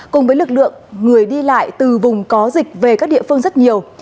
cùng với lực lượng người đi lại từ vùng có dịch về các địa phương rất nhiều